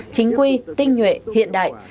chính quy tinh nhuệ hiện đại